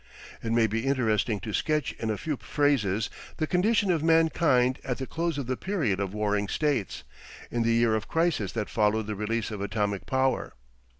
It may be interesting to sketch in a few phrases the condition of mankind at the close of the period of warring states, in the year of crisis that followed the release of atomic power.